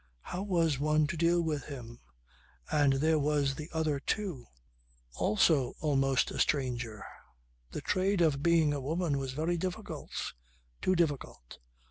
How was one to deal with him? And there was the other too. Also almost a stranger. The trade of being a woman was very difficult. Too difficult.